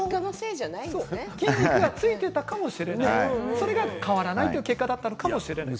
筋肉が付いていたかもしれない、それが変わらないという結果だったかもしれないです。